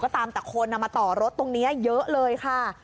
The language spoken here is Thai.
ตามแต่คนมาต่อรถตรงนี้เยอะเลยค่ะ